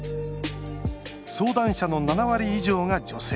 相談者の７割以上が女性。